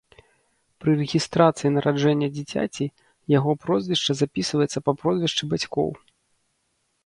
Пры рэгістрацыі нараджэння дзіцяці яго прозвішча запісваецца па прозвішчы бацькоў.